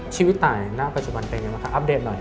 ชีวิตตายณปัจจุบันเป็นยังไงบ้างคะอัปเดตหน่อย